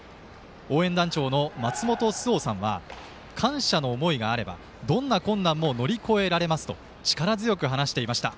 応援団長のまつもとすおさんは感謝の思いがあればどんな困難も乗り越えられますと力強く話していました。